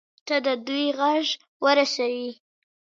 ته د دوى غږ ورسوي.